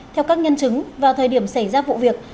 theo các nhân chứng vào thời điểm xảy ra vụ việc